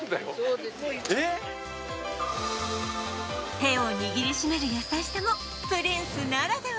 手を握りしめる優しさもプリンスならでは。